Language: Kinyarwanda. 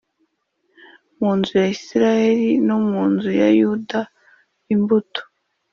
mu nzu ya Isirayeli no mu nzu ya Yuda imbuto